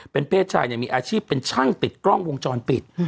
เป็นเพศชายมีอาชีพเป็นช่างติดกล้องวงจรปิด